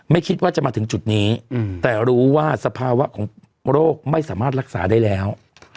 ไม่คิดว่าจะมาถึงจุดนี้แต่รู้ว่าสภาวะของโรคไม่สามารถรักษาได้แล้ว